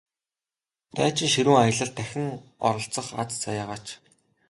Дайчин ширүүн аялалд дахин оролцох аз заяагаач!